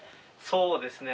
そうですね。